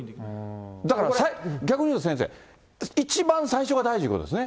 だから、逆に言うと先生、一番最初が大事ってことですね。